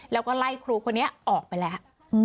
แล้วก็ไล่ครูคนนี้ออกไปแล้ว